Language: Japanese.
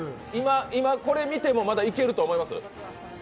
今、これ見てもまだいけると思います？